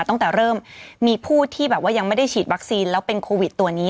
ตั้งแต่เริ่มมีผู้ที่แบบว่ายังไม่ได้ฉีดวัคซีนแล้วเป็นโควิดตัวนี้